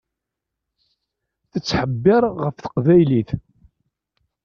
Tettḥebbiṛ ɣef teqbaylit.